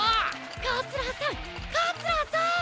桂さん桂さん！